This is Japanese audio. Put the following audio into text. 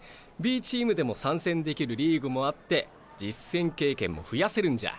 Ｂチームでも参戦できるリーグもあって実戦経験も増やせるんじゃ。